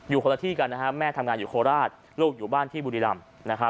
อยู่คนละที่นะครับแม่ทำงานของโคราชลูกอยู่บ้านที่บุรีลำ